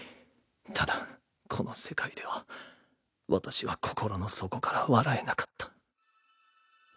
ただこの世界では私は心の底から笑えなかった。